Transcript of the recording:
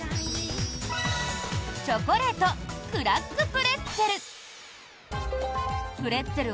チョコレートクラックプレッツェル。